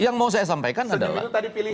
yang mau saya sampaikan adalah